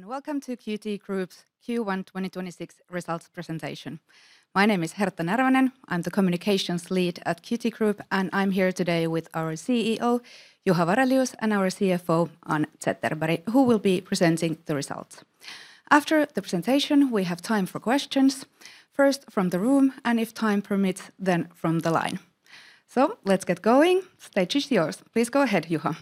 Hello, welcome to Qt Group's Q1 2026 results presentation. My name is Hertta Närvänen. I'm the communications lead at Qt Group, and I'm here today with our CEO Juha Varelius and our CFO Ann Zetterberg, who will be presenting the results. After the presentation, we have time for questions, first from the room, and if time permits, then from the line. Let's get going. Stage is yours. Please go ahead, Juha.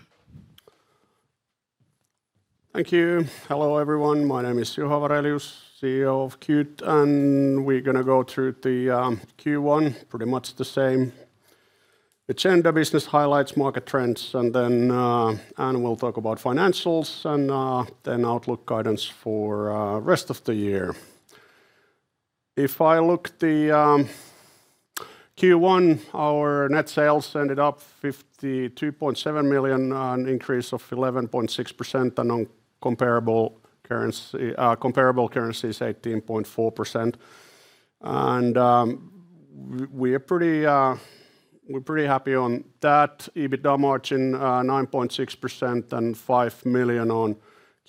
Thank you. Hello, everyone. My name is Juha Varelius, CEO of Qt, we're gonna go through the Q1. Pretty much the same agenda, business highlights, market trends, then Ann will talk about financials then outlook guidance for rest of the year. If I look the Q1, our net sales ended up 52.7 million, an increase of 11.6%, on comparable currencies, 18.4%. We're pretty happy on that. EBITDA margin, 9.6% and 5 million on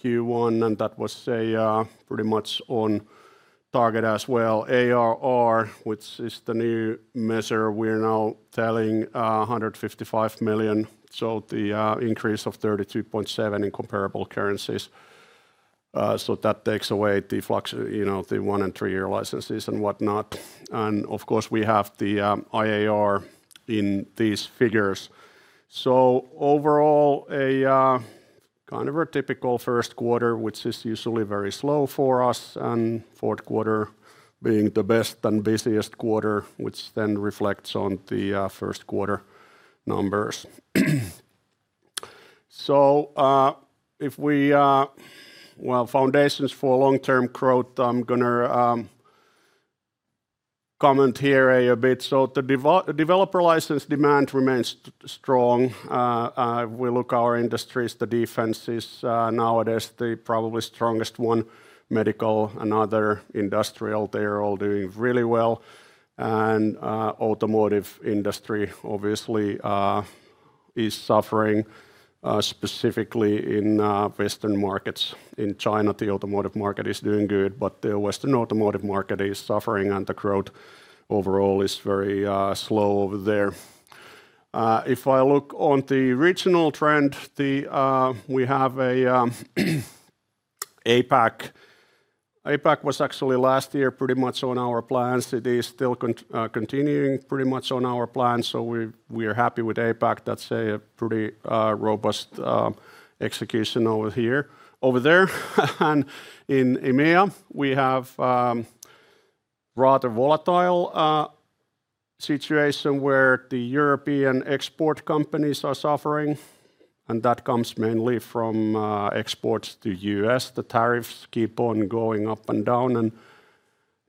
Q1, that was pretty much on target as well. ARR, which is the new measure, we're now telling, 155 million, the increase of 32.7% in comparable currencies. That takes away the flux, you know, the one and three-year licenses and whatnot. Of course, we have the IAR in these figures. Overall, a kind of a typical first quarter, which is usually very slow for us, and fourth quarter being the best and busiest quarter, which then reflects on the first quarter numbers. If we Well, foundations for long-term growth, I'm gonna comment here a bit. The developer license demand remains strong. If we look our industries, the defense is nowadays the probably strongest one. Medical, another, industrial, they're all doing really well. Automotive industry obviously is suffering specifically in Western markets. In China, the automotive market is doing good, but the Western automotive market is suffering, and the growth overall is very slow over there. If I look on the regional trend, the we have a APAC. APAC was actually last year pretty much on our plans. It is still continuing pretty much on our plans, so we are happy with APAC. That's a pretty robust execution over here. Over there, and in EMEA, we have rather volatile situation where the European export companies are suffering, and that comes mainly from exports to U.S. The tariffs keep on going up and down, and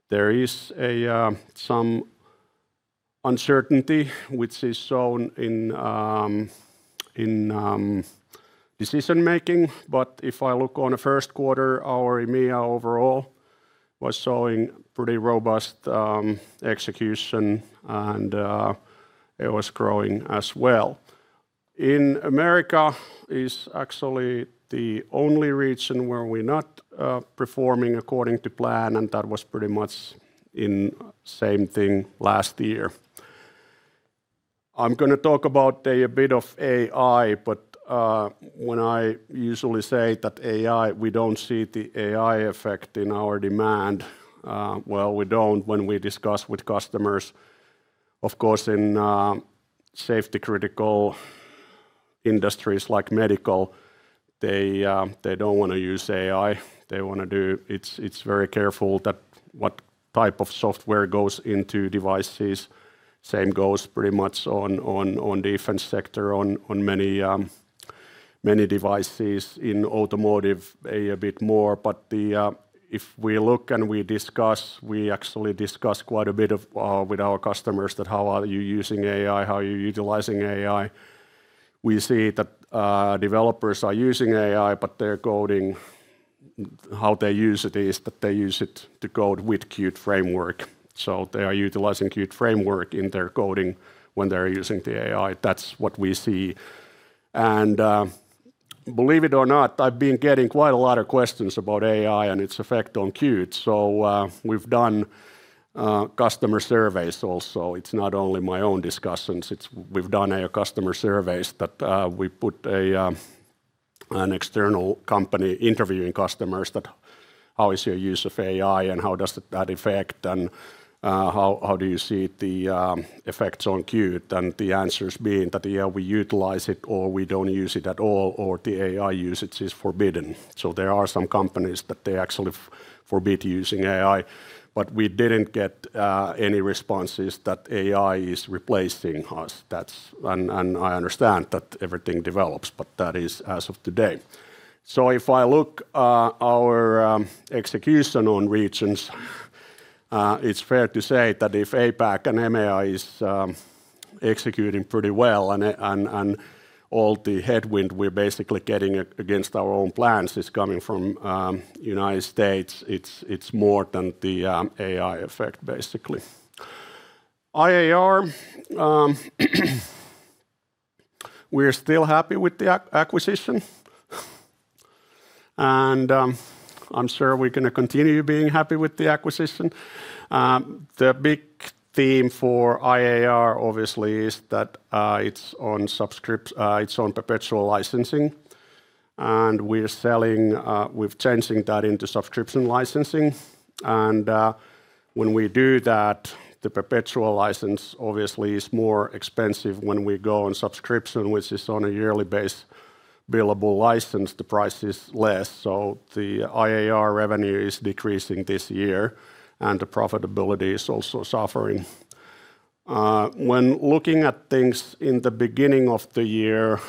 there is a some uncertainty which is shown in decision-making. If I look on the first quarter, our EMEA overall was showing pretty robust execution, and it was growing as well. In America is actually the only region where we're not performing according to plan, and that was pretty much in same thing last year. I'm gonna talk about a bit of AI, but when I usually say that AI, we don't see the AI effect in our demand, well, we don't when we discuss with customers. Of course, in safety critical industries like medical, they don't wanna use AI. It's very careful that what type of software goes into devices. Same goes pretty much on defense sector on many devices. In automotive, a bit more. If we look and we discuss, we actually discuss quite a bit with our customers that how are you using AI, how are you utilizing AI. We see that developers are using AI, but they're coding. How they use it is that they use it to code with Qt Framework. They are utilizing Qt Framework in their coding when they're using the AI. That's what we see. Believe it or not, I've been getting quite a lot of questions about AI and its effect on Qt. We've done customer surveys also. It's not only my own discussions. We've done customer surveys that we put an external company interviewing customers that how is your use of AI and how does that affect and how do you see the effects on Qt? The answers being that, yeah, we utilize it or we don't use it at all or the AI usage is forbidden. There are some companies that they actually forbid using AI. We didn't get any responses that AI is replacing us. I understand that everything develops, but that is as of today. If I look our execution on regions, it's fair to say that if APAC and EMEA is executing pretty well and all the headwind we're basically getting against our own plans is coming from United States. It's more than the AI effect, basically. IAR, We are still happy with the acquisition. I'm sure we're gonna continue being happy with the acquisition. The big theme for IAR obviously is that it's on perpetual licensing, and we're selling, we're changing that into subscription licensing. When we do that, the perpetual license obviously is more expensive when we go on subscription, which is on a yearly base billable license, the price is less. The IAR revenue is decreasing this year, and the profitability is also suffering. When looking at things in the beginning of the year,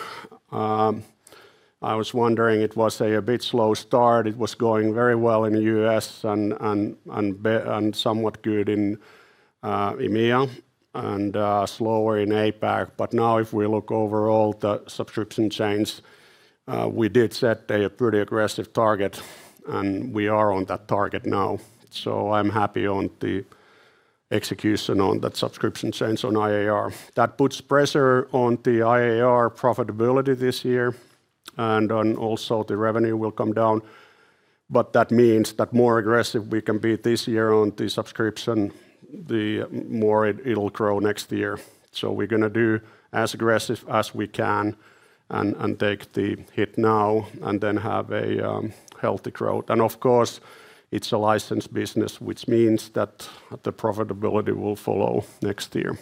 I was wondering it was a bit slow start. It was going very well in the U.S. and somewhat good in EMEA, and slower in APAC. Now if we look overall the subscription change, we did set a pretty aggressive target, and we are on that target now. I'm happy on the execution on that subscription change on IAR. That puts pressure on the IAR profitability this year and on also the revenue will come down. That means that more aggressive we can be this year on the subscription, the more it'll grow next year. We're gonna do as aggressive as we can and take the hit now and then have a healthy growth. Of course, it's a license business, which means that the profitability will follow next year.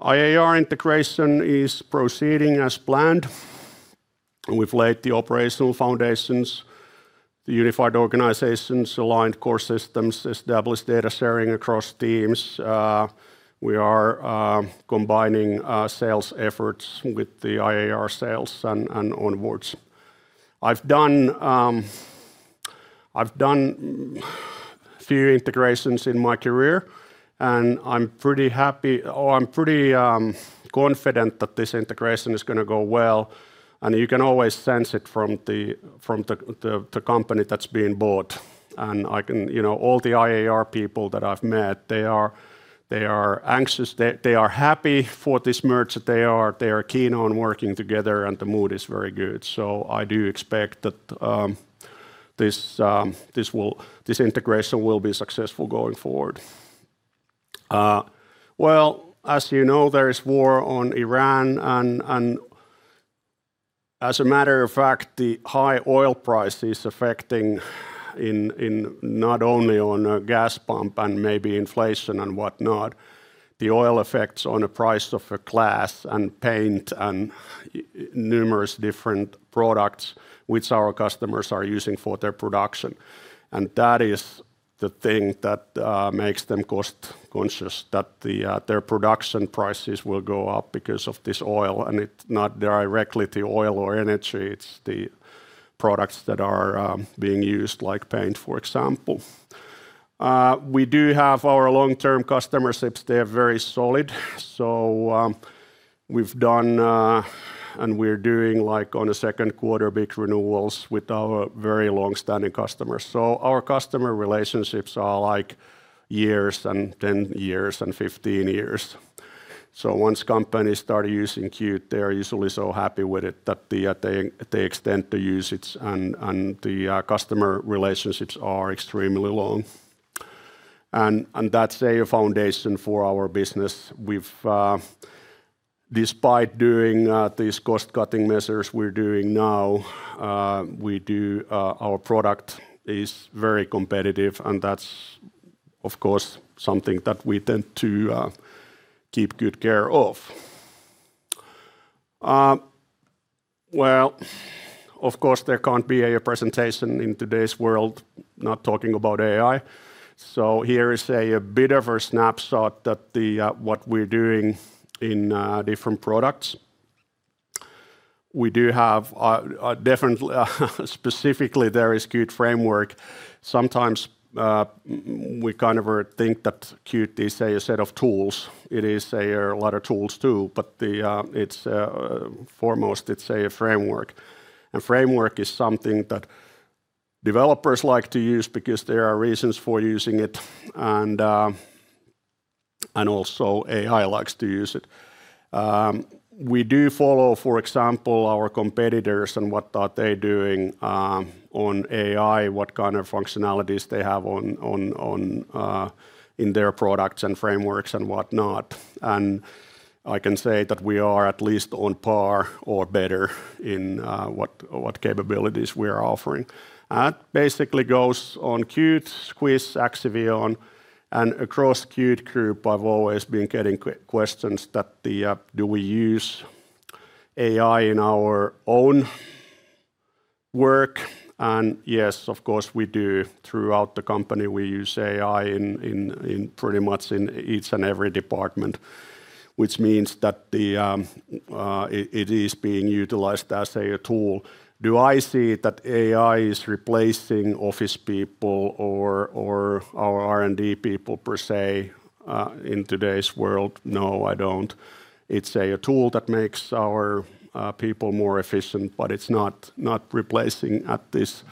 IAR integration is proceeding as planned. We've laid the operational foundations, the unified organizations, aligned core systems, established data sharing across teams. We are combining sales efforts with the IAR sales and onwards. I've done few integrations in my career, I'm pretty happy or I'm pretty confident that this integration is going to go well. You can always sense it from the company that's being bought. You know, all the IAR people that I've met, they are anxious. They are happy for this merge. They are keen on working together, the mood is very good. I do expect that this integration will be successful going forward. Well, as you know, there is war on Iran, as a matter of fact, the high oil price is affecting not only on a gas pump and maybe inflation and whatnot, the oil effects on the price of a glass and paint and numerous different products which our customers are using for their production. That is the thing that makes them cost conscious, that their production prices will go up because of this oil, and it's not directly the oil or energy, it's the products that are being used, like paint, for example. We do have our long-term customer relationships. They are very solid. We've done and we're doing, like, on a second quarter, big renewals with our very long-standing customers. Our customer relationships are, like, years and 10 years and 15 years. Once companies start using Qt, they are usually so happy with it that they extend the usage, and the customer relationships are extremely long. That's a foundation for our business. We've despite doing these cost-cutting measures we're doing now, we do our product is very competitive, and that's, of course, something that we tend to keep good care of. Well, of course, there can't be a presentation in today's world not talking about AI. Here is a bit of a snapshot that the what we're doing in different products. We do have different, specifically, there is Qt Framework. Sometimes, we kind of think that Qt is a set of tools. It is a lot of tools too, but the it's foremost, it's a framework. A framework is something that developers like to use because there are reasons for using it, also AI likes to use it. We do follow, for example, our competitors and what are they doing on AI, what kind of functionalities they have on in their products and frameworks and whatnot. I can say that we are at least on par or better in what capabilities we are offering. That basically goes on Qt, Squish, Axivion, and across Qt Group, I've always been getting questions that the do we use AI in our own work? Yes, of course, we do. Throughout the company, we use AI in pretty much in each and every department, which means that the it is being utilized as a tool. Do I see that AI is replacing office people or our R&D people per se in today's world? No, I don't. It's a tool that makes our people more efficient, but it's not replacing at this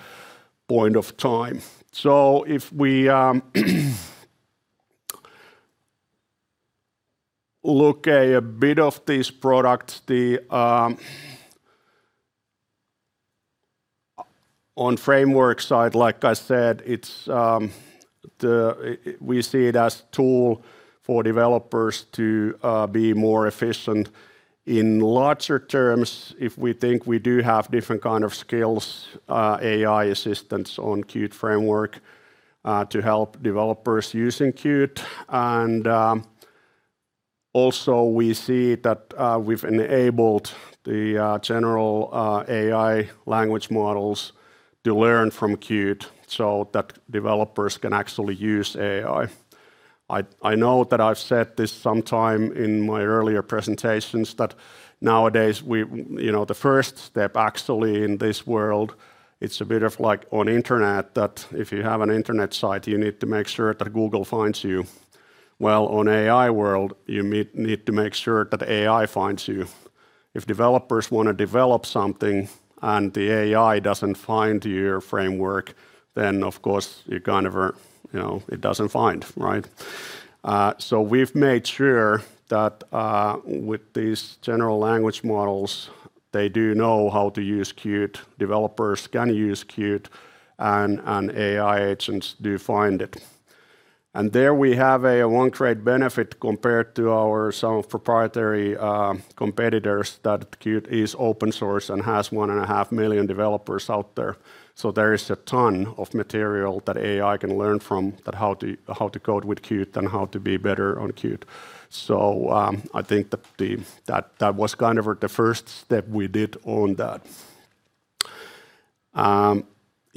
point of time. If we look a bit of these products, on Qt Framework side, like I said, it's we see it as tool for developers to be more efficient. In larger terms, if we think we do have different kind of skills, AI assistance on Qt Framework to help developers using Qt. Also we see that we've enabled the general AI language models to learn from Qt so that developers can actually use AI. I know that I've said this sometime in my earlier presentations that nowadays we, you know, the first step actually in this world, it's a bit of like on internet that if you have an internet site, you need to make sure that Google finds you. Well, on AI world, you need to make sure that AI finds you. If developers wanna develop something, the AI doesn't find your framework, then of course you kind of, you know, it doesn't find, right. We've made sure that with these general language models, they do know how to use Qt. Developers can use Qt, and AI agents do find it. There we have a one trade benefit compared to our some proprietary competitors that Qt is open source and has 1.5 million developers out there. There is a ton of material that AI can learn from that how to code with Qt and how to be better on Qt.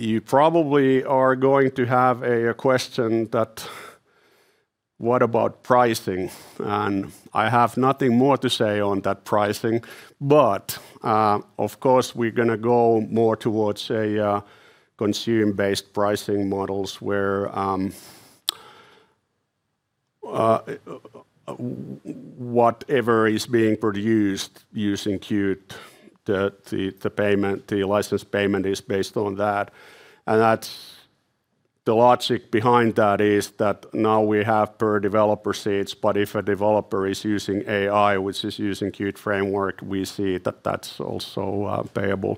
You probably are going to have a question that what about pricing? I have nothing more to say on that pricing, but of course, we're gonna go more towards a consume-based pricing models where whatever is being produced using Qt, the license payment is based on that. That's the logic behind that is that now we have per developer seats, but if a developer is using AI, which is using Qt Framework, we see that that's also payable.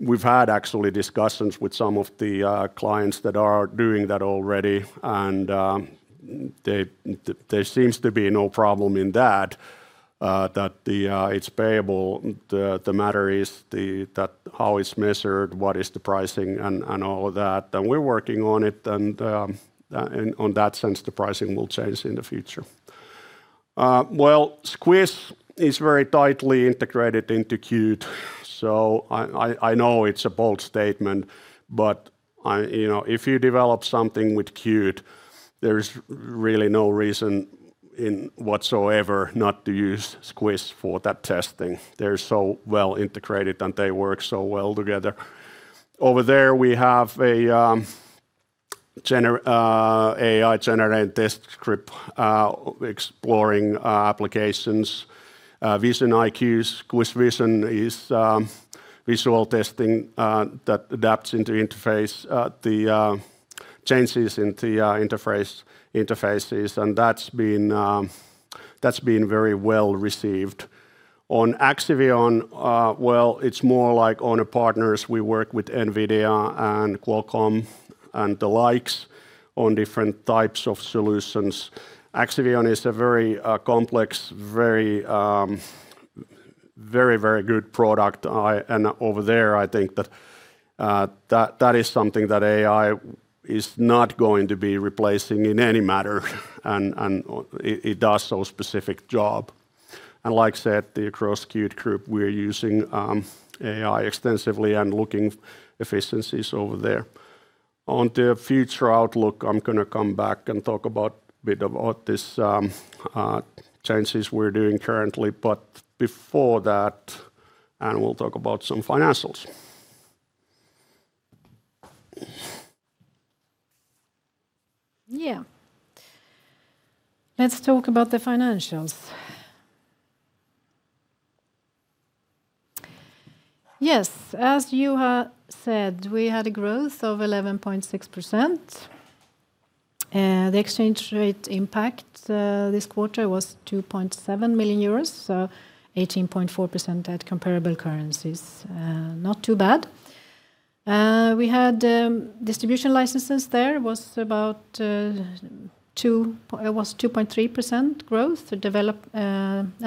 We've had actually discussions with some of the clients that are doing that already. There seems to be no problem in that it's payable. The matter is how it's measured, what is the pricing, and all that. We're working on it. In that sense, the pricing will change in the future. Well, Squish is very tightly integrated into Qt, so I know it's a bold statement, but I, you know, if you develop something with Qt, there is really no reason in whatsoever not to use Squish for that testing. They're so well integrated, they work so well together. Over there we have a AI-generated test script exploring applications, Vision IQs, Squish Vision is visual testing that adapts into interface, the changes in the interfaces, and that's been very well received. On Axivion, well, it's more like owner partners. We work with NVIDIA and Qualcomm and the likes on different types of solutions. Axivion is a very complex, very good product. Over there, I think that is something that AI is not going to be replacing in any matter and it does a specific job. Like I said, across Qt Group, we're using AI extensively and looking efficiencies over there. On the future outlook, I'm gonna come back and talk about, bit about this changes we're doing currently. Before that, Ann will talk about some financials. Yeah. Let's talk about the financials. Yes, as Juha said, we had a growth of 11.6%. The exchange rate impact this quarter was 2.7 million euros, so 18.4% at comparable currencies. Not too bad. We had distribution licenses, there was about 2.3% growth.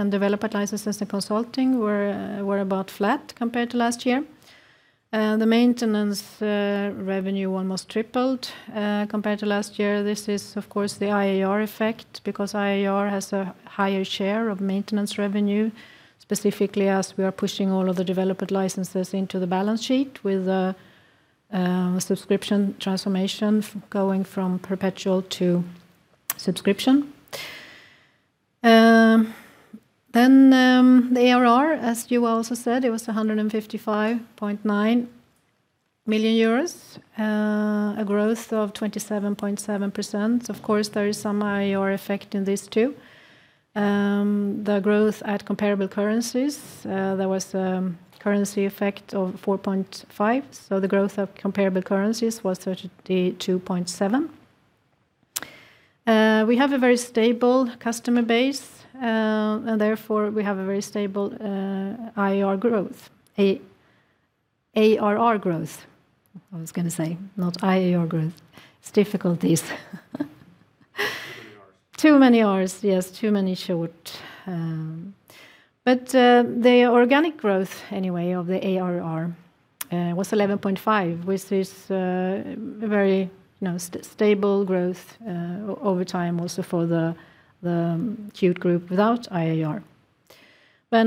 Developer licenses and consulting were about flat compared to last year. The maintenance revenue almost tripled compared to last year. This is of course the IAR effect because IAR has a higher share of maintenance revenue, specifically as we are pushing all of the developer licenses into the balance sheet with subscription transformation going from perpetual to subscription. The ARR, as Juha also said, it was 155.9 million euros, a growth of 27.7%. Of course, there is some IAR effect in this too. The growth at comparable currencies, there was a currency effect of 4.5%, so the growth of comparable currencies was 32.7%. We have a very stable customer base, and therefore we have a very stable IAR growth, ARR growth, I was gonna say, not IAR growth. It's difficulties. Too many Rs. Too many Rs, yes, too many short. The organic growth anyway of the ARR was 11.5%, which is very, you know, stable growth over time also for the Qt Group without IAR. The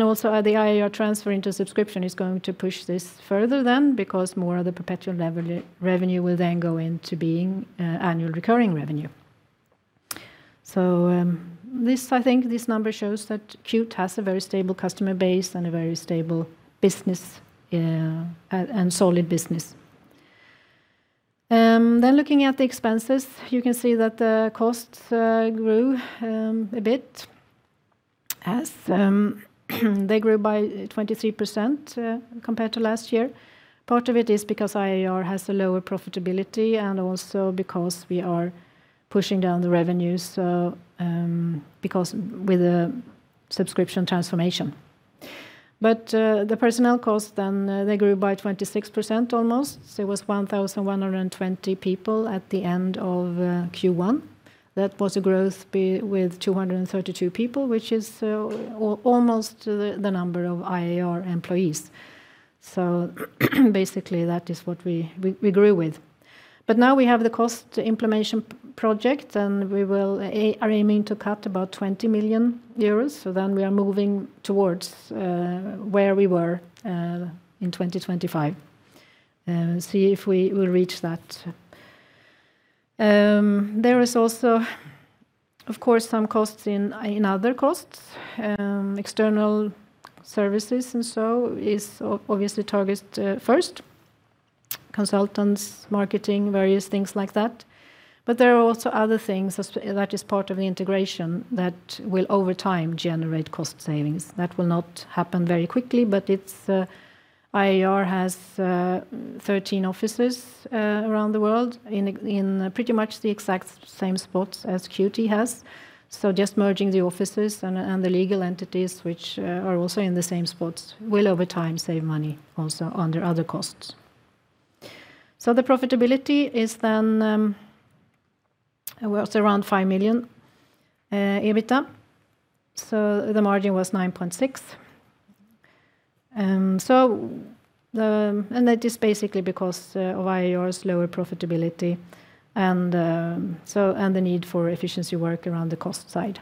IAR transfer into subscription is going to push this further because more of the perpetual revenue will go into being annual recurring revenue. This, I think this number shows that Qt has a very stable customer base and a very stable business and solid business. Looking at the expenses, you can see that the costs grew a bit, they grew by 23% compared to last year. Part of it is because IAR has a lower profitability and also because we are pushing down the revenues because with the subscription transformation. The personnel costs grew by 26% almost, so it was 1,120 people at the end of Q1. That was a growth with 232 people, which is almost the number of IAR employees. Basically that is what we grew with. Now we have the cost implementation project, and we are aiming to cut about 20 million euros, we are moving towards where we were in 2025, see if we will reach that. There is also of course some costs in other costs, external services and so is obviously targeted first, consultants, marketing, various things like that. There are also other things as that is part of the integration that will over time generate cost savings. That will not happen very quickly, IAR has 13 offices around the world in pretty much the exact same spots as Qt has. Just merging the offices and the legal entities which are also in the same spots will over time save money also under other costs. The profitability was around 5 million EBITDA, so the margin was 9.6%. That is basically because of IAR's lower profitability and the need for efficiency work around the cost side.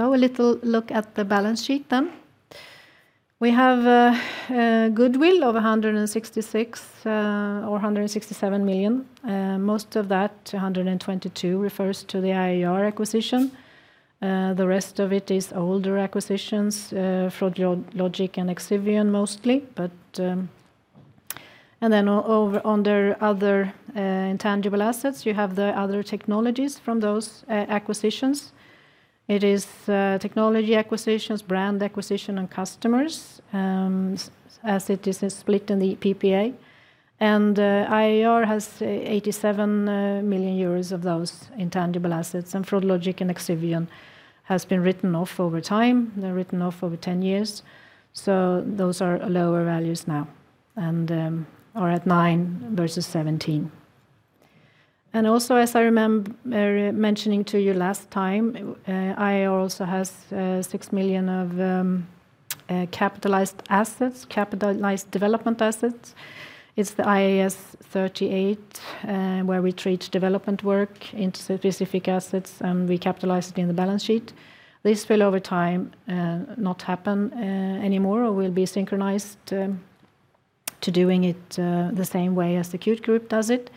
A little look at the balance sheet. We have goodwill of 166 million or 167 million. Most of that, 122 million, refers to the IAR acquisition. The rest of it is older acquisitions, froglogic and Axivion mostly. Under other intangible assets, you have the other technologies are intangible assetsfrom those acquisitions. It is technology acquisitions, brand acquisition, and customers as it is split in the PPA. IAR has 87 million euros of those intangible assets, and froglogic and Axivion has been written off over time. They're written off over 10 years, so those are lower values now and are at 9 versus 17. Also, as I mentioning to you last time, IAR also has 6 million of capitalized assets, capitalized development assets. It's the IAS 38, where we treat development work into specific assets, and we capitalize it in the balance sheet. This will over time not happen anymore or will be synchronized to doing it the same way as the Qt Group does it.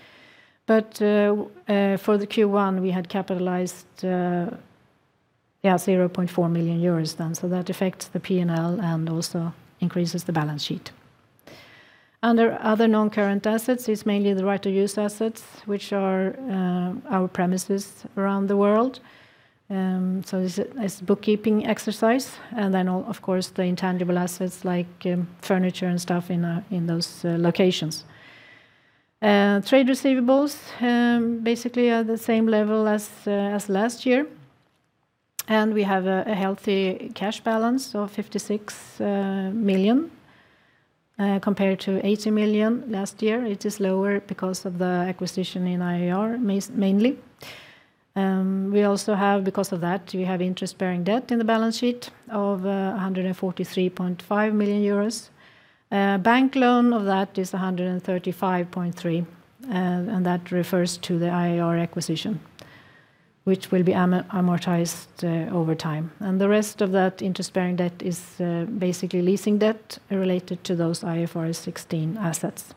For the Q1, we had capitalized 0.4 million euros then, so that affects the P&L and also increases the balance sheet. Under other non-current assets is mainly the right to use assets, which are our premises around the world, so this is bookkeeping exercise and then all, of course, the intangible assets like furniture and stuff in those locations. Trade receivables basically are the same level as last year, and we have a healthy cash balance of 56 million compared to 80 million last year. It is lower because of the acquisition in IAR mainly. We also have, because of that, we have interest-bearing debt in the balance sheet of 143.5 million euros. Bank loan of that is 135.3, and that refers to the IAR acquisition, which will be amortized over time. The rest of that interest-bearing debt is basically leasing debt related to those IFRS 16 assets.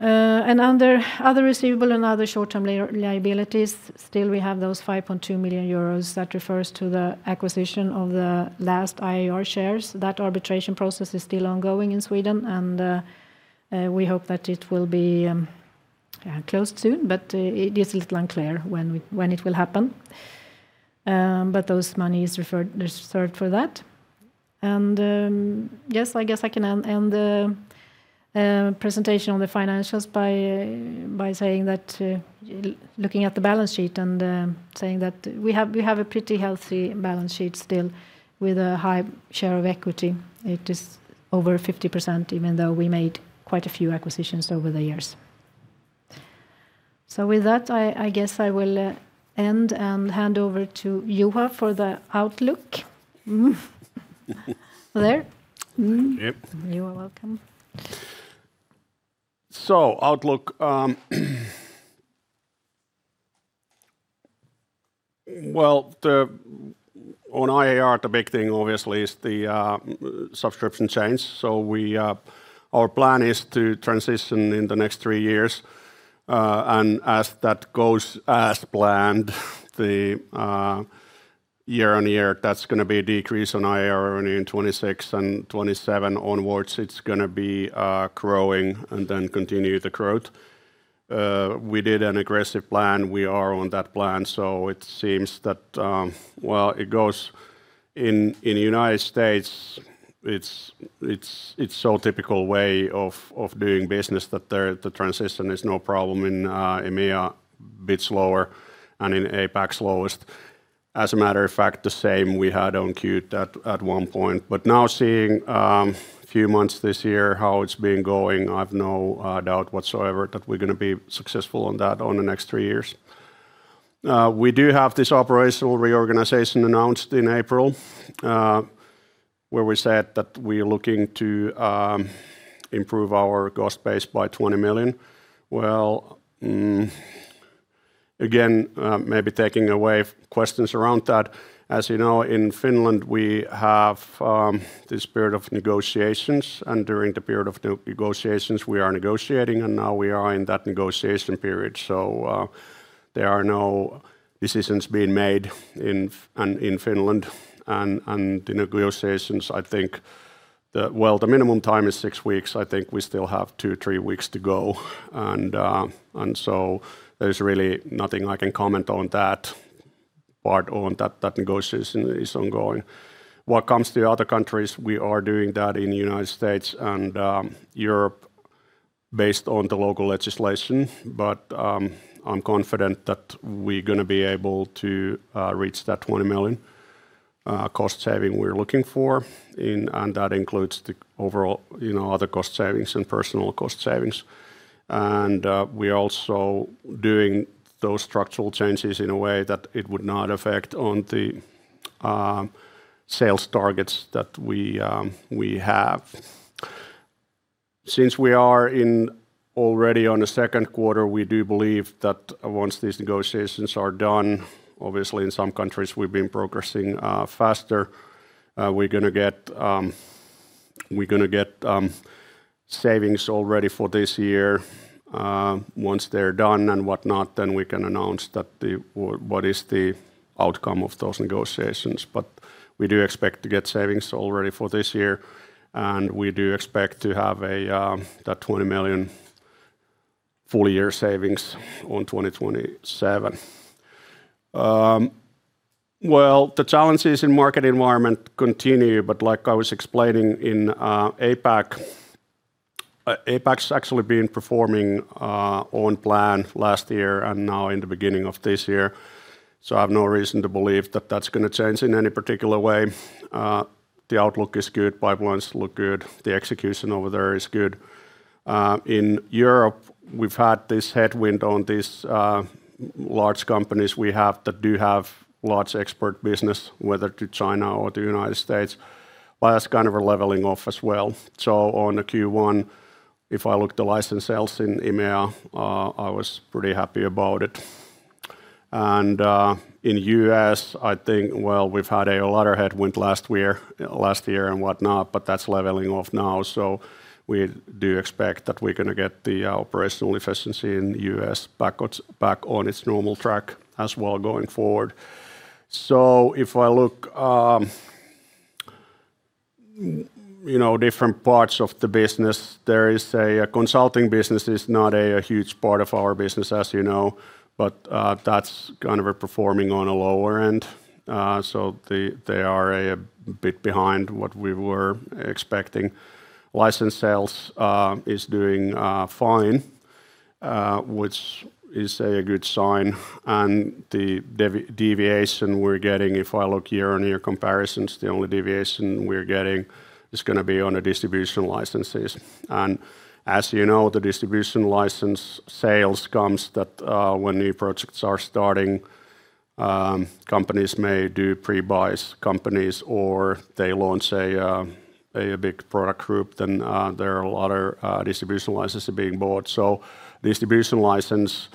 Under other receivable and other short-term liabilities, still we have those 5.2 million euros that refers to the acquisition of the last IAR shares. That arbitration process is still ongoing in Sweden. We hope that it will be close soon, but it is a little unclear when it will happen. Those monies reserved for that. I guess I can end the presentation on the financials by saying that looking at the balance sheet and saying that we have a pretty healthy balance sheet still with a high share of equity. It is over 50%, even though we made quite a few acquisitions over the years. With that, I guess I will end and hand over to Juha for the outlook. There. Thank you. You are welcome. Outlook, well, the, on IAR, the big thing obviously is the subscription change. We, our plan is to transition in the next three years, and as that goes as planned, the year-on-year, that's gonna be a decrease on IAR only in 2026 and 2027 onwards, it's gonna be growing and then continue the growth. We did an aggressive plan. We are on that plan, so it seems that, well, it goes in the U.S., it's, it's so typical way of doing business that the transition is no problem. In EMEA, bit slower, and in APAC slowest. As a matter of fact, the same we had on Qt at one point. Now seeing a few months this year how it's been going, I've no doubt whatsoever that we're gonna be successful on that on the next three years. We do have this operational reorganization announced in April, where we said that we're looking to improve our cost base by 20 million. Well, again, maybe taking away questions around that. As you know, in Finland, we have this period of negotiations, and during the period of negotiations, we are negotiating, and now we are in that negotiation period. There are no decisions being made in Finland. The negotiations, I think the, well, the minimum time is six weeks. I think we still have two, three weeks to go. There's really nothing I can comment on that part on. That negotiation is ongoing. What comes to the other countries, we are doing that in the United States and Europe based on the local legislation. I'm confident that we're gonna be able to reach that 20 million cost saving we're looking for. That includes the overall, you know, other cost savings and personal cost savings. We're also doing those structural changes in a way that it would not affect on the sales targets that we have. Since we are in already on the second quarter, we do believe that once these negotiations are done, obviously in some countries we've been progressing faster, we're gonna get savings already for this year. Once they're done and whatnot, we can announce what is the outcome of those negotiations. We do expect to get savings already for this year, and we do expect to have a that 20 million full year savings on 2027. Well, the challenges in market environment continue, but like I was explaining in APAC's actually been performing on plan last year and now in the beginning of this year, so I've no reason to believe that that's gonna change in any particular way. The outlook is good. Pipelines look good. The execution over there is good. In Europe, we've had this headwind on these large companies we have that do have large export business, whether to China or to U.S. Well, that's kind of a leveling off as well. On the Q1, if I look at the license sales in EMEA, I was pretty happy about it. In U.S., I think, well, we've had a lot of headwind last year and whatnot, but that's leveling off now. We do expect that we're gonna get the operational efficiency in U.S. backwards, back on its normal track as well going forward. If I look, you know, different parts of the business, there is a consulting business is not a huge part of our business, as you know. That's kind of performing on a lower end. They are a bit behind what we were expecting. License sales is doing fine, which is a good sign. The deviation we're getting, if I look year-on-year comparisons, the only deviation we're getting is gonna be on the distribution licenses. As you know, the distribution license sales comes that when new projects are starting, companies may do pre-buys companies, or they launch a big product group, then there are a lot of distribution licenses being bought. Distribution license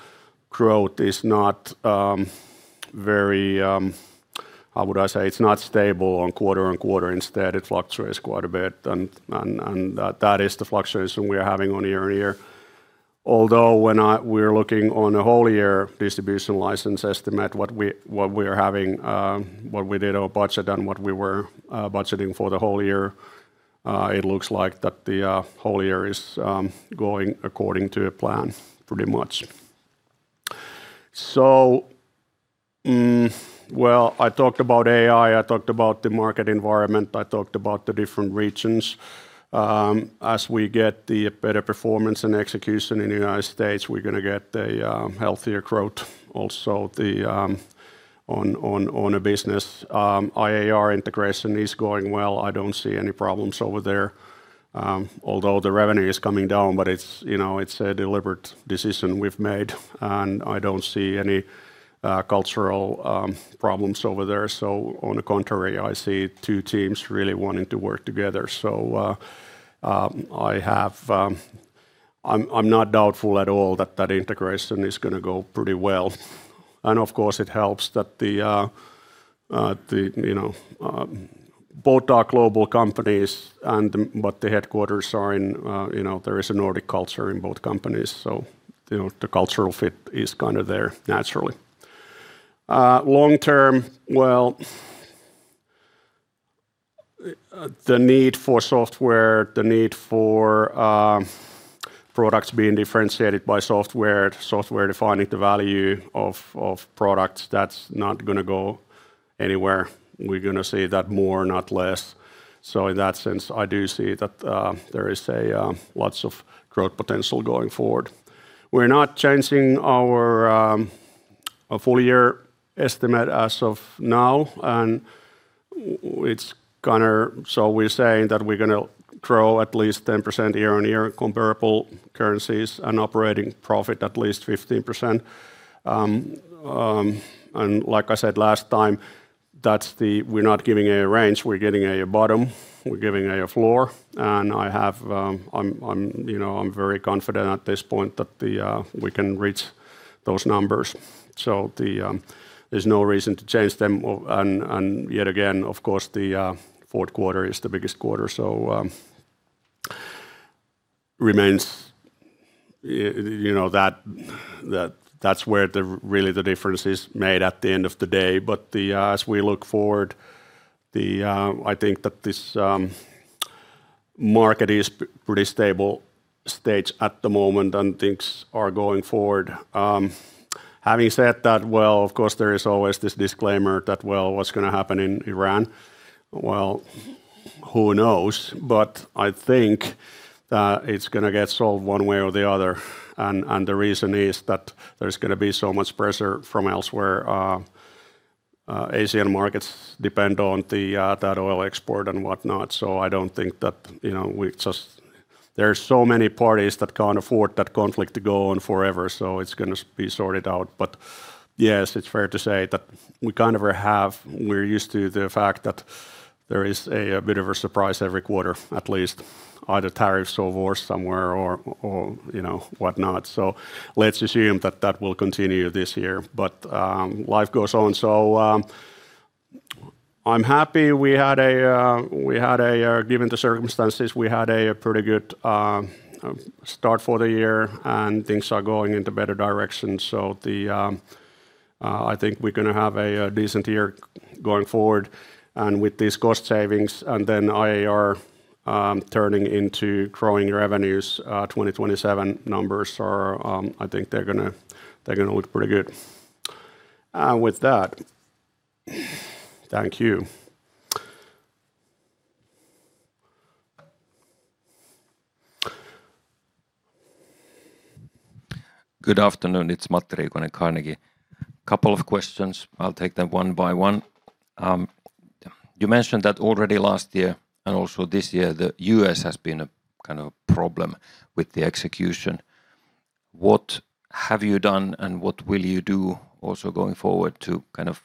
growth is not very, how would I say? It's not stable on quarter-on-quarter. Instead, it fluctuates quite a bit. That is the fluctuation we are having on year-on-year. When we're looking on a whole year distribution license estimate, what we, what we are having, what we did our budget and what we were budgeting for the whole year. It looks like that the whole year is going according to a plan pretty much. Well, I talked about AI, I talked about the market environment, I talked about the different regions. As we get the better performance and execution in U.S., we're gonna get a healthier growth also on the business. IAR integration is going well. I don't see any problems over there. Although the revenue is coming down, but it's, you know, it's a deliberate decision we've made, and I don't see any cultural problems over there. On the contrary, I see two teams really wanting to work together. I'm not doubtful at all that that integration is gonna go pretty well. Of course, it helps that the, you know, both are global companies, but the headquarters are in, you know, there is a Nordic culture in both companies. You know, the cultural fit is kind of there naturally. Long term, well, the need for software, the need for products being differentiated by software defining the value of products, that's not gonna go anywhere. We're gonna see that more, not less. In that sense, I do see that there is a lots of growth potential going forward. We're not changing our full year estimate as of now, and we're saying that we're gonna grow at least 10% year-on-year comparable currencies and operating profit at least 15%. Like I said last time, we're not giving a range, we're giving a bottom, we're giving a floor. I have, you know, I'm very confident at this point that we can reach those numbers. There's no reason to change them. Yet again, of course, the fourth quarter is the biggest quarter. It remains, you know, that that's where really the difference is made at the end of the day. As we look forward, I think that this market is pretty stable state at the moment and things are going forward. Having said that, well, of course there is always this disclaimer that, well, what's gonna happen in Iran? Well, who knows? I think it's gonna get solved one way or the other. The reason is that there's gonna be so much pressure from elsewhere. Asian markets depend on that oil export and whatnot, so I don't think that, you know, there are so many parties that can't afford that conflict to go on forever, so it's gonna be sorted out. Yes, it's fair to say that we kind of have, we're used to the fact that there is a bit of a surprise every quarter, at least either tariffs or wars somewhere or, you know, whatnot. Let's assume that that will continue this year. Life goes on. I'm happy we had a, given the circumstances, a pretty good start for the year, and things are going in the better direction. I think we're gonna have a decent year going forward. With these cost savings and then IAR turning into growing revenues, 2027 numbers are, I think they're gonna look pretty good. With that, thank you. Good afternoon. It's Matti Riikonen, Carnegie. 2 questions. I'll take them 1 by 1. You mentioned that already last year and also this year, the U.S. has been a kind of problem with the execution. What have you done and what will you do also going forward to kind of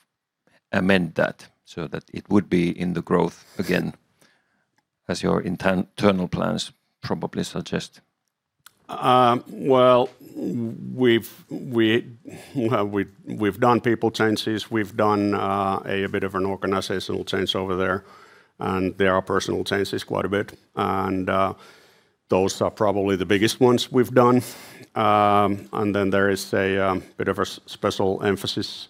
amend that so that it would be in the growth again as your internal plans probably suggest? Well, we've done people changes. We've done a bit of an organizational change over there, and there are personal changes quite a bit. Those are probably the biggest ones we've done. There is a bit of a special emphasis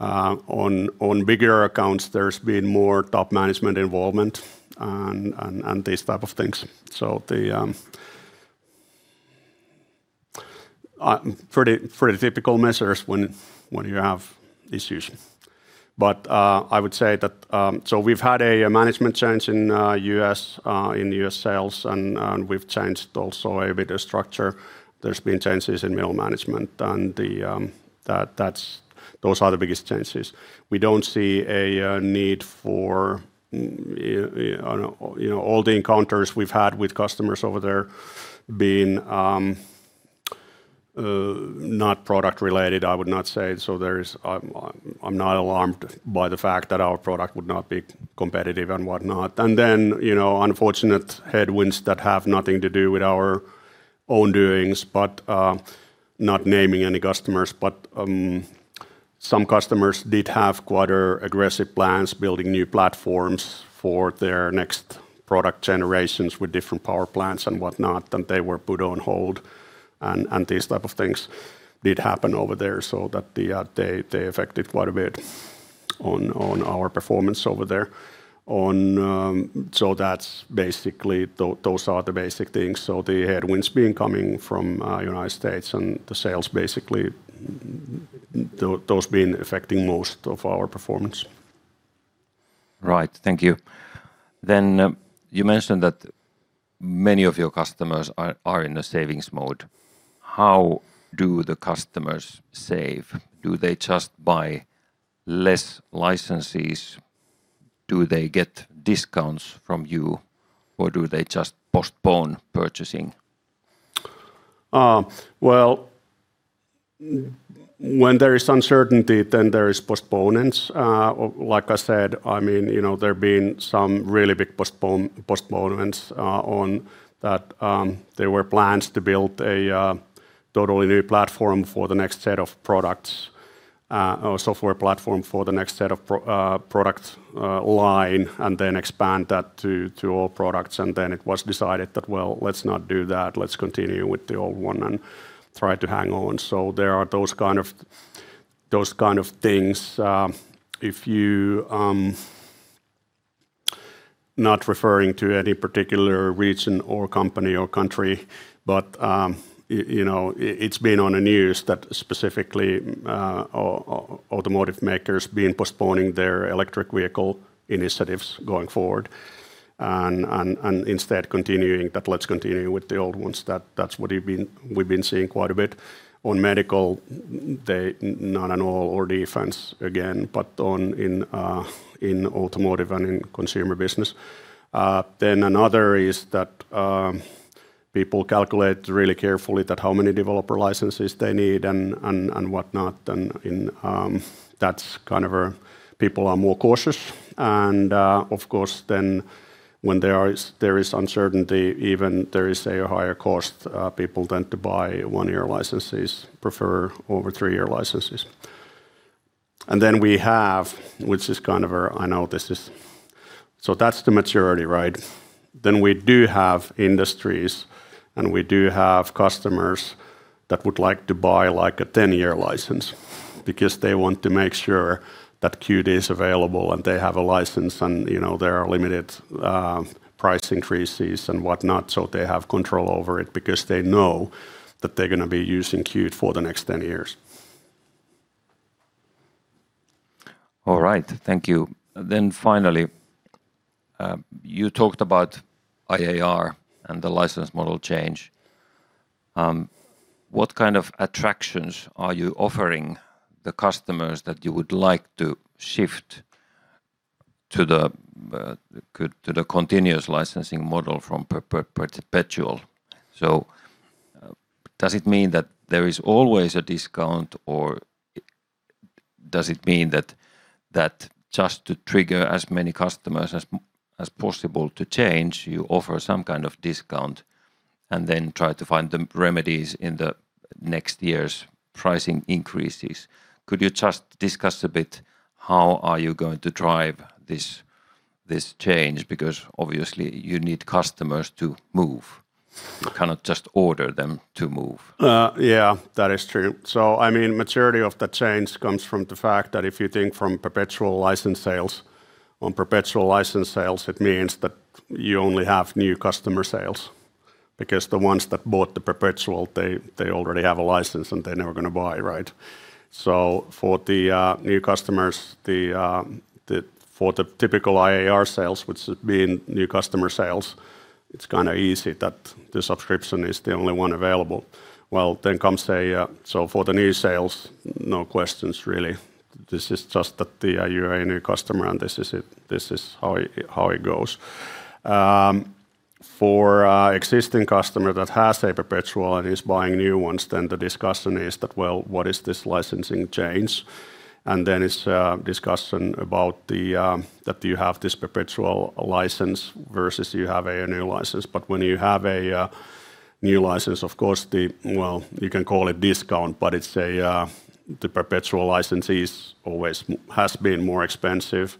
on bigger accounts. There's been more top management involvement and these type of things. Pretty typical measures when you have issues. I would say that we've had a management change in U.S. in U.S. sales, and we've changed also a bit of structure. There's been changes in middle management and those are the biggest changes. We don't see a need for, you know, all the encounters we've had with customers over there being not product related, I would not say. There is I'm not alarmed by the fact that our product would not be competitive and whatnot. Then, you know, unfortunate headwinds that have nothing to do with our own doings, but not naming any customers. Some customers did have quite aggressive plans building new platforms for their next product generations with different power plants and whatnot, and they were put on hold. These type of things did happen over there, so that they affected quite a bit on our performance over there. That's basically those are the basic things. The headwinds been coming from United States, and the sales basically those been affecting most of our performance. Right. Thank you. You mentioned that many of your customers are in a savings mode. How do the customers save? Do they just buy less licenses? Do they get discounts from you, or do they just postpone purchasing? Well, when there is uncertainty, then there is postponements. Like I said, I mean, you know, there have been some really big postponements on that. There were plans to build a totally new platform for the next set of products, or software platform for the next set of product line and then expand that to all products. It was decided that, well, let's not do that. Let's continue with the old one and try to hang on. There are those kind of things. If you, not referring to any particular region or company or country, but you know, it's been on the news that specifically automotive makers been postponing their electric vehicle initiatives going forward and instead continuing that let's continue with the old ones. That's what we've been seeing quite a bit. On medical, they none at all, or defense again. In automotive and in consumer business. Another is that people calculate really carefully how many developer licenses they need and whatnot. That's kind of where people are more cautious. Of course, when there is uncertainty, even there is a higher cost, people tend to buy one-year licenses prefer over three-year licenses. We have, which is kind of our. That's the maturity, right? We do have industries, and we do have customers that would like to buy like a 10-year license because they want to make sure that Qt is available, and they have a license, and, you know, there are limited price increases and whatnot, so they have control over it because they know that they're gonna be using Qt for the next 10 years. All right. Thank you. Finally, you talked about IAR and the license model change. What kind of attractions are you offering the customers that you would like to shift to the continuous licensing model from perpetual? Does it mean that there is always a discount, or does it mean that just to trigger as many customers as possible to change, you offer some kind of discount and then try to find the remedies in the next year's pricing increases? Could you just discuss a bit how are you going to drive this change? Obviously you need customers to move. You cannot just order them to move. Yeah, that is true. I mean, maturity of the change comes from the fact that if you think from perpetual license sales, on perpetual license sales, it means that you only have new customer sales because the ones that bought the perpetual, they already have a license, and they're never gonna buy, right? For the new customers, for the typical IAR sales, which have been new customer sales, it's kind of easy that the subscription is the only one available. Well, comes the so for the new sales, no questions really. This is just that you are a new customer, and this is it. This is how it goes. For a existing customer that has a perpetual and is buying new ones, then the discussion is that, well, what is this licensing change? It's a discussion about the, that you have this perpetual license versus you have a annual license. When you have a new license, of course, the, well, you can call it discount, but it's the perpetual licenses always has been more expensive.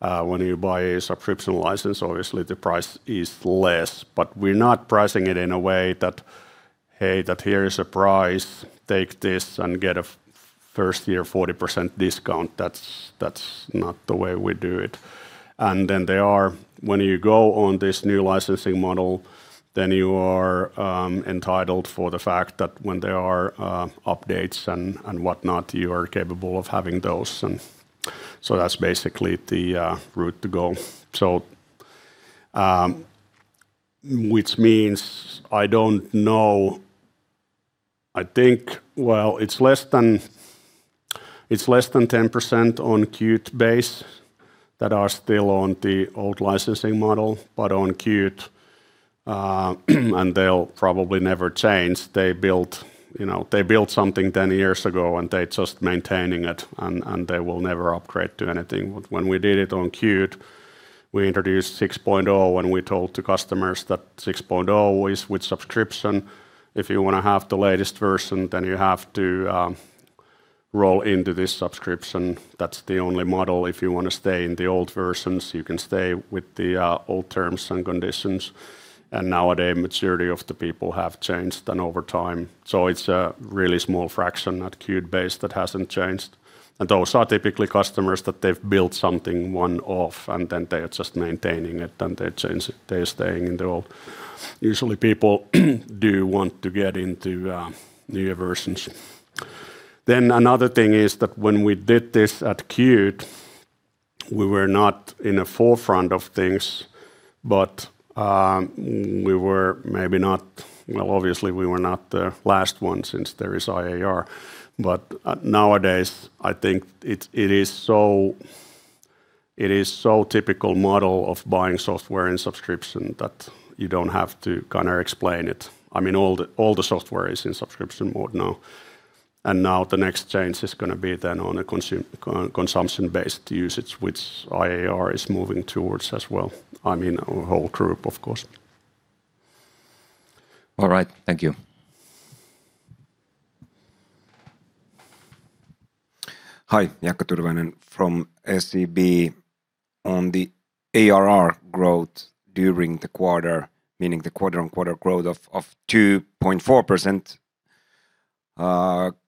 When you buy a subscription license, obviously the price is less. We're not pricing it in a way that, hey, that here is a price, take this and get a first year 40% discount. That's, that's not the way we do it. There are, when you go on this new licensing model, then you are entitled for the fact that when there are updates and whatnot, you are capable of having those, that's basically the route to go. Which means, well, it's less than 10% on Qt base that are still on the old licensing model, but on Qt, and they'll probably never change. They built, you know, they built something 10 years ago, and they're just maintaining it, and they will never upgrade to anything. When we did it on Qt, we introduced 6.0, and we told the customers that 6.0 is with subscription. If you wanna have the latest version, then you have to roll into this subscription. That's the only model. If you wanna stay in the old versions, you can stay with the old terms and conditions. Nowadays, majority of the people have changed and over time. It's a really small fraction at Qt base that hasn't changed. Those are typically customers that they've built something one-off, and then they're just maintaining it, and they change it. They're staying, and they're all Usually people do want to get into newer versions. Another thing is that when we did this at Qt, we were not in the forefront of things, but we were maybe not Well, obviously, we were not the last one since there is IAR. Nowadays, I think it is so typical model of buying software and subscription that you don't have to kinda explain it. I mean, all the software is in subscription mode now. Now the next change is gonna be then on a consumption-based usage, which IAR is moving towards as well. I mean, our whole group, of course. All right. Thank you. Hi. Jaakko Tyrväinen from SEB. On the ARR growth during the quarter, meaning the quarter-on-quarter growth of 2.4%,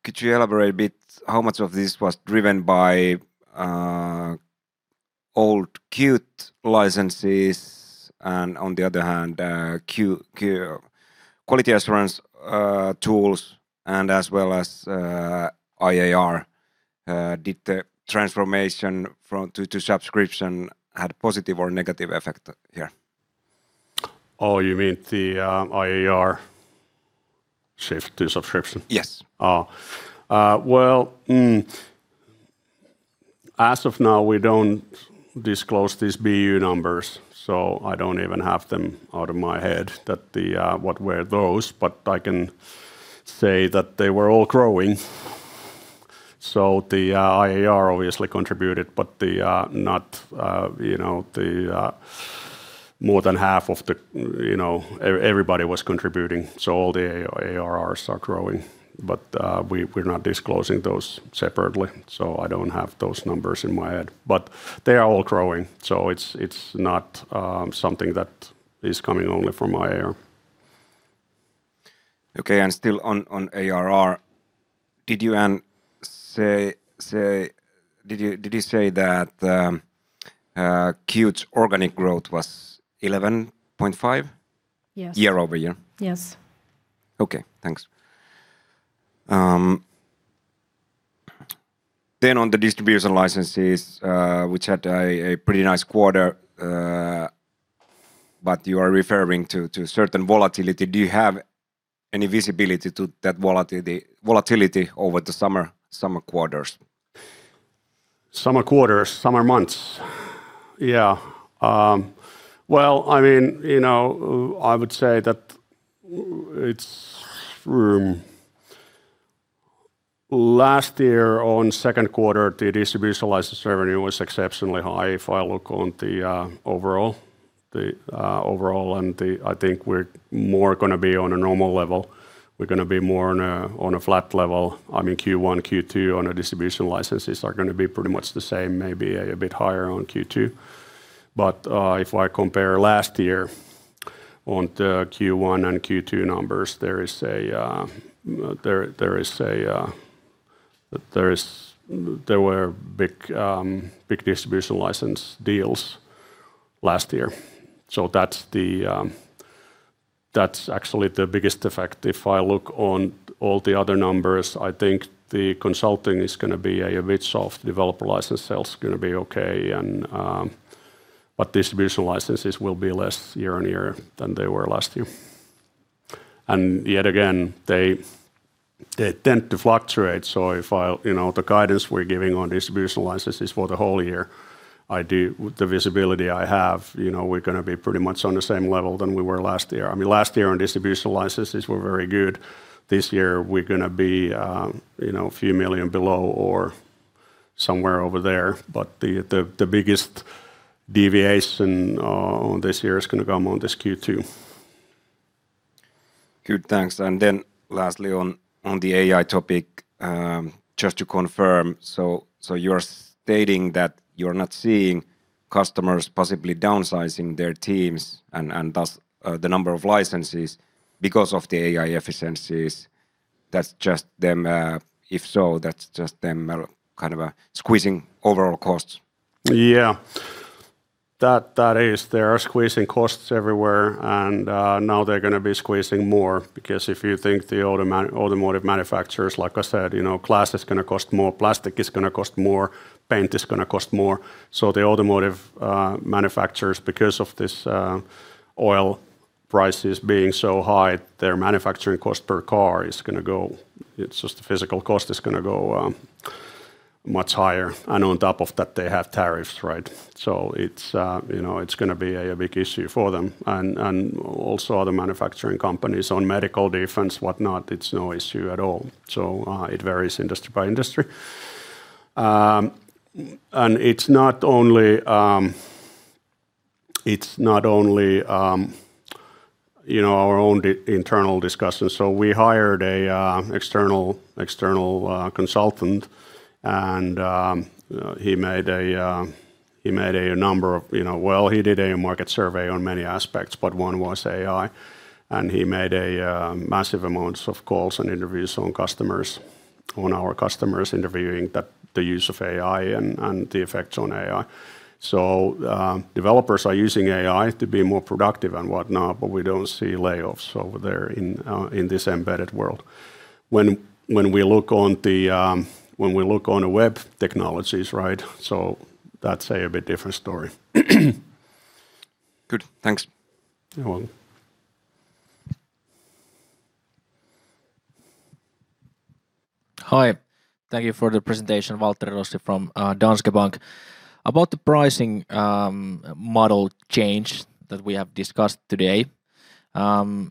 could you elaborate a bit how much of this was driven by old Qt licenses and, on the other hand, quality assurance tools, and as well as IAR? Did the transformation from to subscription had positive or negative effect here? Oh, you mean the IAR shift to subscription? Yes. Well, as of now, we don't disclose these BU numbers, so I don't even have them out of my head that what were those. I can say that they were all growing. IAR obviously contributed, but not, you know, more than half of the, you know, everybody was contributing. All the ARR are growing. We're not disclosing those separately, so I don't have those numbers in my head. They are all growing, so it's not something that is coming only from IAR. Still on ARR, did you say that Qt's organic growth was 11.5? Yes. Year-over-year? Yes. Okay. Thanks. On the distribution licenses, which had a pretty nice quarter, but you are referring to certain volatility. Do you have any visibility to that volatility over the summer quarters? Summer quarters, summer months. Yeah. Well, I mean, you know, I would say that it's last year on second quarter, the distribution license revenue was exceptionally high if I look on the overall. I think we're more gonna be on a normal level. We're gonna be more on a flat level. I mean, Q1, Q2 on a distribution licenses are gonna be pretty much the same, maybe a bit higher on Q2. If I compare last year on the Q1 and Q2 numbers, there were big distribution license deals last year. That's actually the biggest effect. If I look on all the other numbers, I think the consulting is gonna be a bit soft. Developer license sale is gonna be okay. Distribution licenses will be less year on year than they were last year. Yet again, they tend to fluctuate. If I'll, you know, the guidance we're giving on distribution licenses for the whole year, the visibility I have, you know, we're gonna be pretty much on the same level than we were last year. I mean, last year on distribution licenses were very good. This year we're gonna be, you know, a few million below or somewhere over there. The biggest deviation on this year is gonna come on this Q2. Good. Thanks. Lastly on the AI topic, just to confirm, so you're stating that you're not seeing customers possibly downsizing their teams and thus the number of licenses because of the AI efficiencies? If so, that's just them, kind of, squeezing overall costs? Yeah. That is. They are squeezing costs everywhere. Now they're gonna be squeezing more because if you think the automotive manufacturers, like I said, you know, glass is gonna cost more, plastic is gonna cost more, paint is gonna cost more. The automotive manufacturers because of this oil prices being so high, their manufacturing cost per car is gonna go, it's just the physical cost is gonna go much higher. On top of that, they have tariffs, right? It's, you know, it's gonna be a big issue for them and also other manufacturing companies on medical defense, whatnot, it's no issue at all. It varies industry by industry. It's not only, you know, our own internal discussion, we hired a external consultant. He made a number of, you know, well, he did a market survey on many aspects, but one was AI, and he made massive amounts of calls and interviews on customers, on our customers, interviewing the use of AI and the effects on AI. Developers are using AI to be more productive and whatnot, but we don't see layoffs over there in this embedded world. When we look on the, when we look on a web technologies, right? That's a bit different story. Good. Thanks. You're welcome. Hi. Thank you for the presentation. Waltteri Rossi from Danske Bank. About the pricing model change that we have discussed today,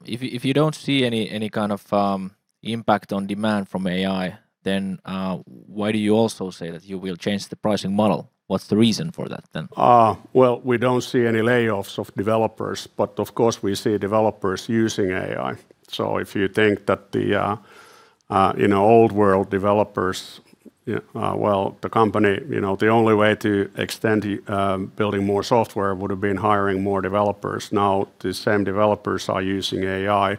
if you don't see any kind of impact on demand from AI, why do you also say that you will change the pricing model? What's the reason for that then? Well, we don't see any layoffs of developers, but of course we see developers using AI. If you think that the, you know, old world developers, well, the company, you know, the only way to extend building more software would have been hiring more developers. Now the same developers are using AI,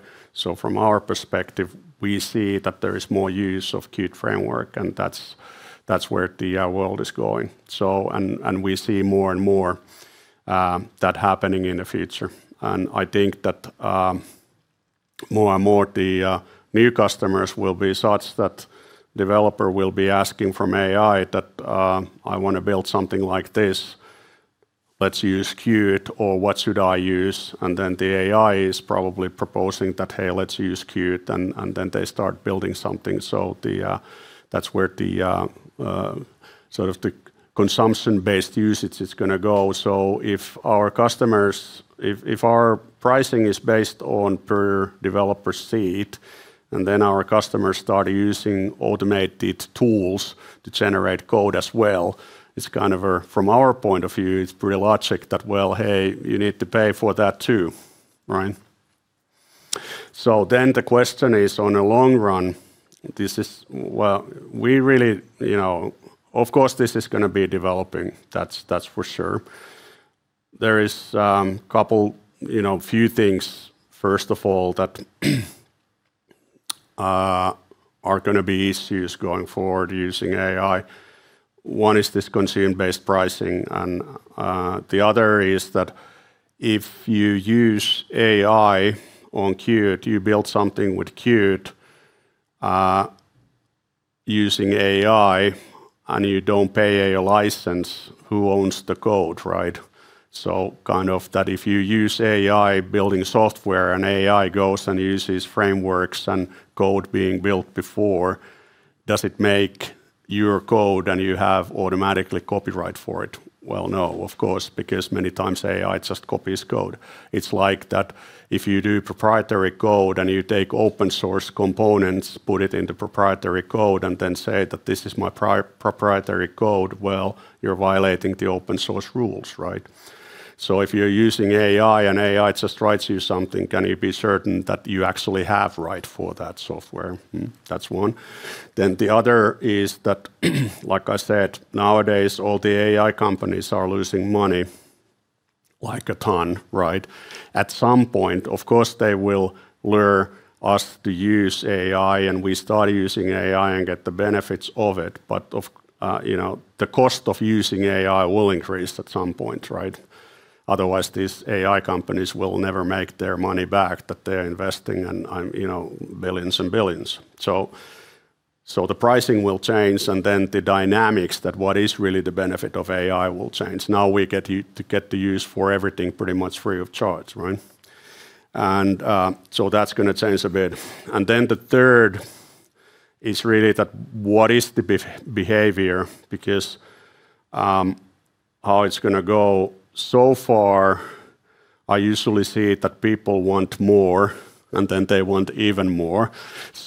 from our perspective, we see that there is more use of Qt Framework, and that's where the world is going. And we see more and more that happening in the future. I think that more and more the new customers will be such that developer will be asking from AI that, "I wanna build something like this. Let's use Qt," or, "What should I use?" Then the AI is probably proposing that, "Hey, let's use Qt," and then they start building something. That's where the sort of the consumption-based usage is gonna go. If our customers, if our pricing is based on per developer seat, and then our customers start using automated tools to generate code as well, it's kind of, from our point of view, it's pretty logic that, well, hey, you need to pay for that too, right? The question is, on the long run, this is Well, we really, you know, of course this is gonna be developing, that's for sure. There is, couple, you know, few things, first of all, that are gonna be issues going forward using AI. One is this consume-based pricing, and the other is that if you use AI on Qt, you build something with Qt, using AI, and you don't pay a license, who owns the code, right? Kind of that if you use AI building software and AI goes and uses frameworks and code being built before, does it make your code and you have automatically copyright for it? Well, no, of course, because many times AI just copies code. It's like that if you do proprietary code and you take open source components, put it in the proprietary code, and then say that this is my proprietary code, well, you're violating the open source rules, right? If you're using AI and AI just writes you something, can you be certain that you actually have right for that software? Hmm. That's one. The other is that like I said, nowadays all the AI companies are losing money, like a ton, right? At some point, of course, they will lure us to use AI, and we start using AI and get the benefits of it. Of, you know, the cost of using AI will increase at some point, right? Otherwise, these AI companies will never make their money back that they're investing and, you know, billions and billions. The pricing will change, and then the dynamics that what is really the benefit of AI will change. Now we get to use for everything pretty much free of charge, right? So that's gonna change a bit. The third is really that what is the behavior, because how it's gonna go, so far I usually see that people want more, and then they want even more.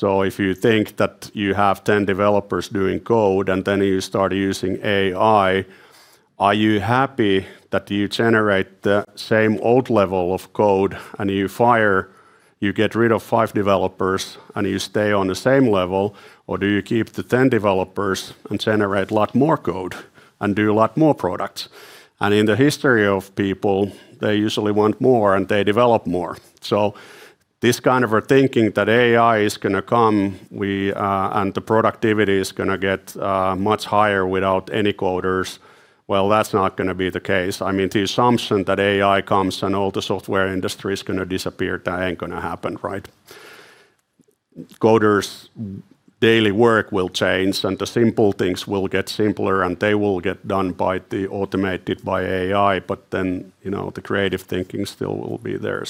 If you think that you have 10 developers doing code, and then you start using AI, are you happy that you generate the same old level of code and you fire, you get rid of five developers, and you stay on the same level, or do you keep the 10 developers and generate a lot more code and do a lot more products? In the history of people, they usually want more, and they develop more. This kind of a thinking that AI is gonna come, and the productivity is gonna get much higher without any coders, well, that's not gonna be the case. I mean, the assumption that AI comes and all the software industry is gonna disappear, that ain't gonna happen, right? Coders' daily work will change, and the simple things will get simpler, and they will get done by the automated, by AI. You know, the creative thinking still will be there.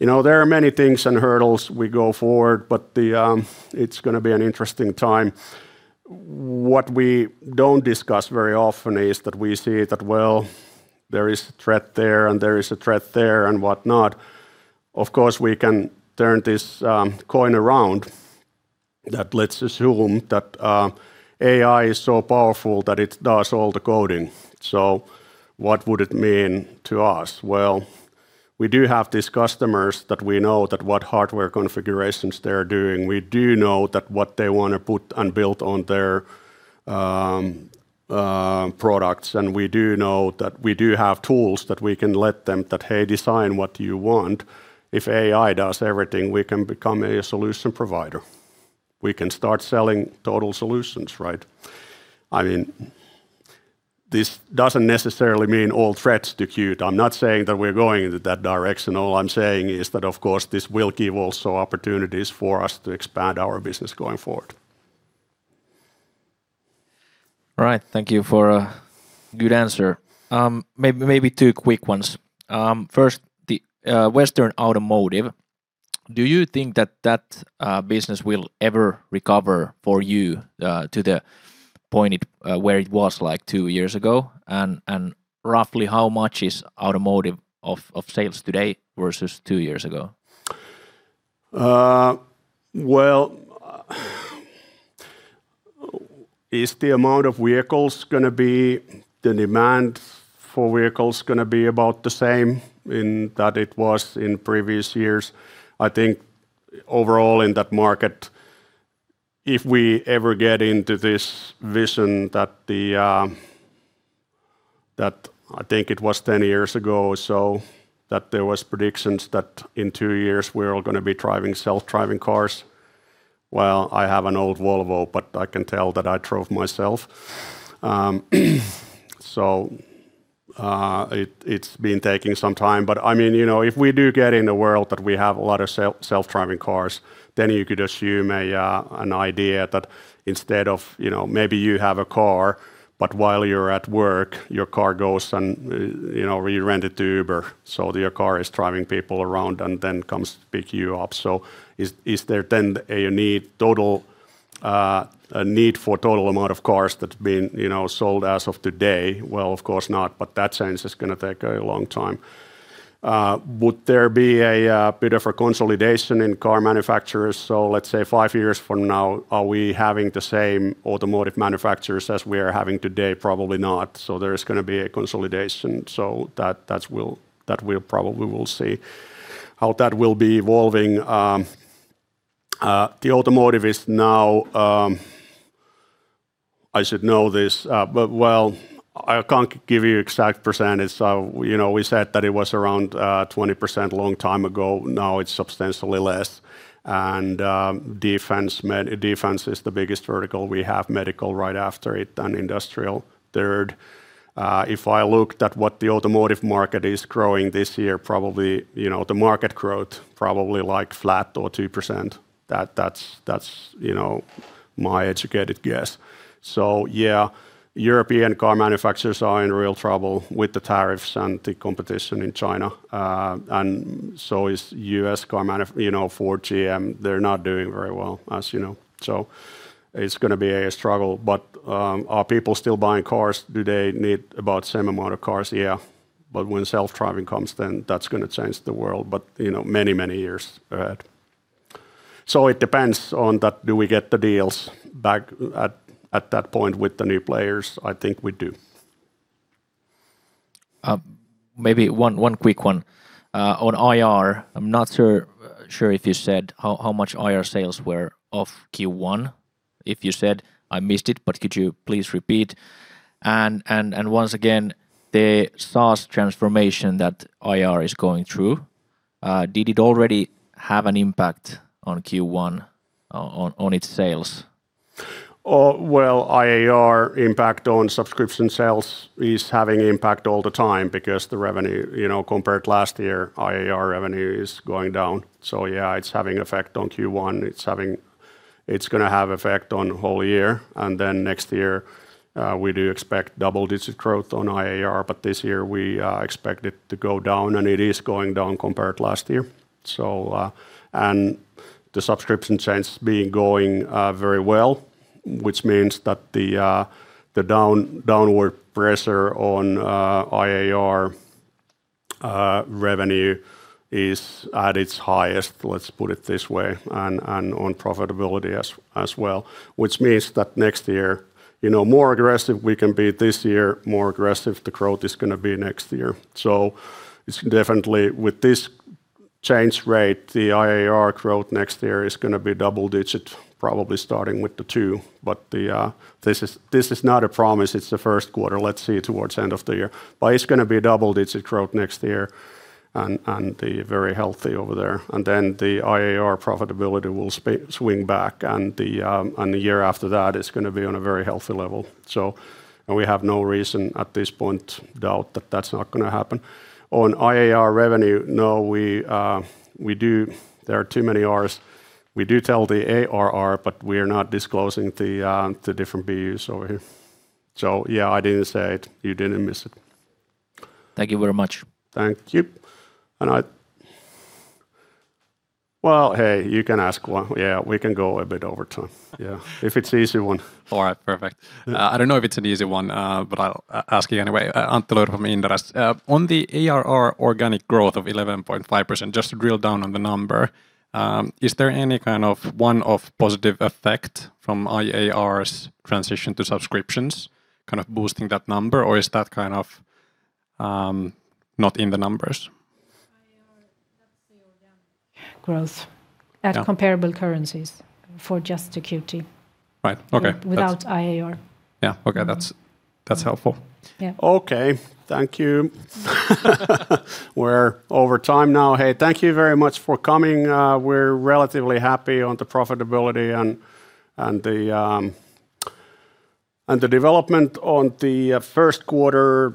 You know, there are many things and hurdles we go forward, but the, it's gonna be an interesting time. What we don't discuss very often is that we see that, well, there is a threat there, and there is a threat there, and whatnot. Of course, we can turn this coin around. That let's assume that AI is so powerful that it does all the coding. What would it mean to us? Well, we do have these customers that we know that what hardware configurations they're doing. We do know that what they want to put and build on their products. We do know that we do have tools that we can let them that, "Hey, design what you want." If AI does everything, we can become a solution provider. We can start selling total solutions, right? I mean, this doesn't necessarily mean all threats to Qt. I'm not saying that we're going into that direction. All I'm saying is that, of course, this will give also opportunities for us to expand our business going forward. All right. Thank you for a good answer. Maybe two quick ones. First, the Western automotive. Do you think that that business will ever recover for you to the point it where it was, like, two years ago? Roughly how much is automotive of sales today versus two years ago? Well, is the amount of vehicles gonna be, the demand for vehicles gonna be about the same in, that it was in previous years? I think overall in that market, if we ever get into this vision that the, that, I think it was 10 years ago so, that there was predictions that in two years we're all gonna be driving self-driving cars. Well, I have an old Volvo, but I can tell that I drove myself. It's been taking some time. I mean, you know, if we do get in a world that we have a lot of self-driving cars, then you could assume an idea that instead of, you know, maybe you have a car, but while you're at work, your car goes and, you know, you rent it to Uber. Your car is driving people around and then comes to pick you up. Is there then a need, total, a need for total amount of cars that are being, you know, sold as of today? Well, of course not, but that change is gonna take a long time. Would there be a bit of a consolidation in car manufacturers? Let's say five years from now, are we having the same automotive manufacturers as we are having today? Probably not. There is gonna be a consolidation. That we probably will see how that will be evolving. The automotive is now I should know this, but well, I can't give you exact percentage. You know, we said that it was around 20% long time ago. Now it's substantially less. Defense is the biggest vertical. We have medical right after it and industrial third. If I looked at what the automotive market is growing this year, probably, you know, the market growth probably, like, flat or 2%. That's, you know, my educated guess. Yeah, European car manufacturers are in real trouble with the tariffs and the competition in China. Is U.S. car, you know, Ford, GM. They're not doing very well, as you know. It's gonna be a struggle. Are people still buying cars? Do they need about same amount of cars? Yeah. When self-driving comes, then that's gonna change the world, but, you know, many, many years ahead. It depends on that do we get the deals back at that point with the new players. I think we do. Maybe one quick one. On IAR, I'm not sure if you said how much IAR sales were of Q1. If you said, I missed it, but could you please repeat? Once again, the SaaS transformation that IAR is going through, did it already have an impact on Q1, on its sales? Well, IAR impact on subscription sales is having impact all the time because the revenue, you know, compared to last year, IAR revenue is going down. Yeah, it's having effect on Q1. It's gonna have effect on whole year. Next year, we do expect double-digit growth on IAR. This year we expect it to go down, and it is going down compared to last year. The subscription change has been going very well, which means that the downward pressure on IAR revenue is at its highest, let's put it this way, and on profitability as well, which means that next year, you know, more aggressive we can be this year, more aggressive the growth is gonna be next year. It's definitely, with this change rate, the IAR growth next year is going to be double-digit, probably starting with the two. The, this is not a promise. It's the first quarter. Let's see towards the end of the year. It's going to be a double-digit growth next year and the very healthy over there. The IAR profitability will swing back. The year after that, it's going to be on a very healthy level. We have no reason at this point to doubt that that's not going to happen. On IAR revenue, no, There are too many Rs. We do tell the ARR, we are not disclosing the different BUs over here. Yeah, I didn't say it. You didn't miss it. Thank you very much. Thank you. Well, hey, you can ask one. Yeah, we can go a bit over time. Yeah, if it's an easy one. All right. Perfect. I don't know if it's an easy one, but I'll ask you anyway. Antti Lyytikäinen from Inderes. On the ARR organic growth of 11.5%, just to drill down on the number, is there any kind of one-off positive effect from IAR's transition to subscriptions kind of boosting that number? Or is that kind of not in the numbers? IAR, that's the organic growth. Yeah at comparable currencies for just the Qt. Right. Okay. Without IAR. Yeah. Okay. That's helpful. Yeah. Okay. Thank you. We're over time now. Hey, thank you very much for coming. We're relatively happy on the profitability and the development on the first quarter.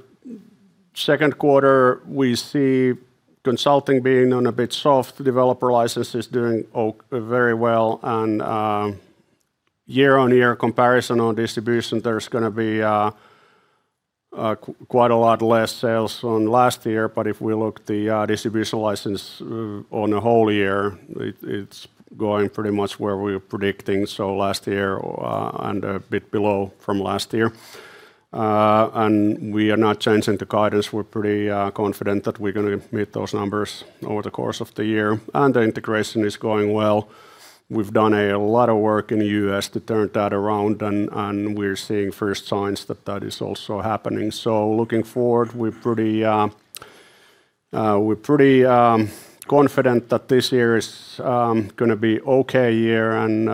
Second quarter, we see consulting being on a bit soft. Developer license is doing very well. Year-over-year comparison on distribution, there's gonna be quite a lot less sales on last year. If we look the distribution license on a whole year, it's going pretty much where we're predicting. Last year, and a bit below from last year. We are not changing the guidance. We're pretty confident that we're gonna meet those numbers over the course of the year. The integration is going well. We've done a lot of work in the U.S. to turn that around, and we're seeing first signs that that is also happening. Looking forward, we're pretty confident that this year is gonna be okay year and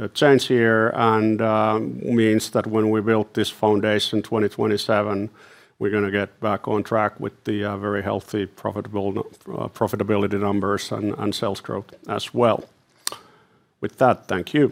a change year and means that when we build this foundation, 2027, we're gonna get back on track with the very healthy profitable profitability numbers and sales growth as well. With that, thank you.